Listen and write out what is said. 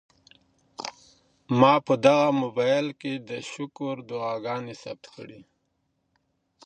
ما په دغه موبایل کي د شکر دعاګانې ثبت کړې.